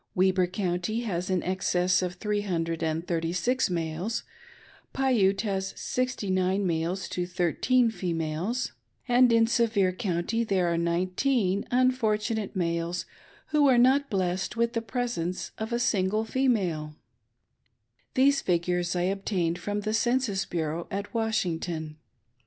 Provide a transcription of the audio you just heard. Weber County has . an excess of three hundred and thirty six wajes ; Piute has SHtty nme males to thirteen fein^J^^. and in Sevier County FACTS AM1> FIGURES EXTRAORDINARY. 6lS tfeere are nineteen Unfortunate males Who are not blessed with the presence of a single female ! These figures I obtained from the Census Bureau at Washington